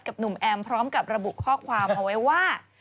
หนุ่มแอมพร้อมกับระบุข้อความเอาไว้ว่า